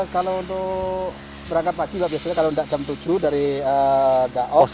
kalau untuk berangkat pagi biasanya kalau tidak jam tujuh dari gaos